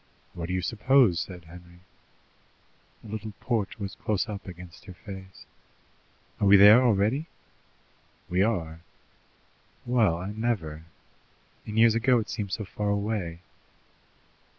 "What do you suppose?" said Henry. A little porch was close up against her face. "Are we there already?" "We are." "Well, I never! In years ago it seemed so far away."